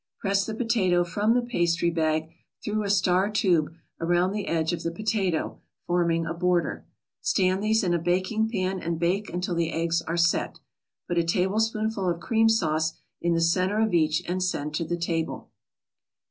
Press the potato from the pastry bag through a star tube around the edge of the potato, forming a border. Stand these in a baking pan and bake until the eggs are "set." Put a tablespoonful of cream sauce in the center of each, and send to the table.